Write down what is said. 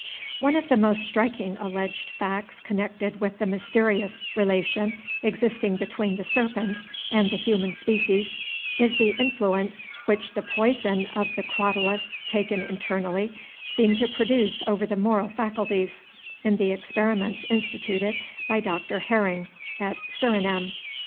One of the most striking alleged facts connected with the mysterious relation existing between the serpent and the human species is the influence which the poison of the Crotulus, taken internally, seemed to produce over the moral faculties, in the experiments instituted by Dr. Hering at Surinam.